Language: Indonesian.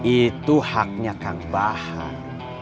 itu haknya kang bahar